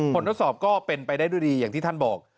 ทดสอบก็เป็นไปได้ด้วยดีอย่างที่ท่านบอก